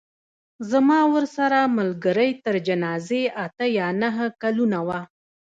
زما ورسره ملګرۍ تر جنازې اته یا نهه کلونه وه.